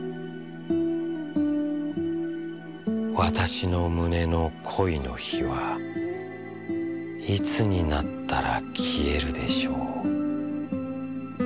「わたしの胸の恋の火はいつになつたら消えるでせう」。